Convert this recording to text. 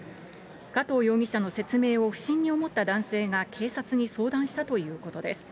加藤容疑者の説明を不審に思った男性が警察に相談したということです。